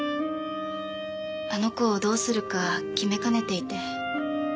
あの子をどうするか決めかねていて。